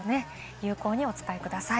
有効にお使いください。